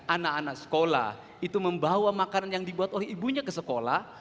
anak anak sekolah itu membawa makanan yang dibuat oleh ibunya ke sekolah